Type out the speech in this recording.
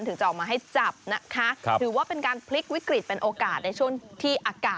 ถึงจะออกมาให้จับนะคะถือว่าเป็นการพลิกวิกฤตเป็นโอกาสในช่วงที่อากาศ